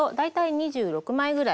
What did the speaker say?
２６枚ぐらい。